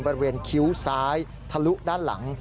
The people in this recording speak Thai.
คิ้วซ้ายทะลุด้านหลัง